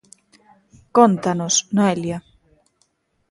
Cóntanos, Noelia.